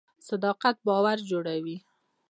صداقت باور جوړوي